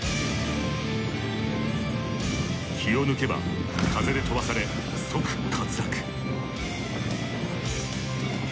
気を抜けば風で飛ばされ即滑落。